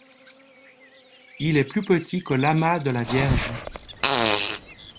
Il est plus petit que l'amas de la Vierge.